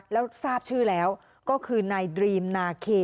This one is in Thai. แล้วทราบชื่อแล้วก็คือนายดรีมนาเค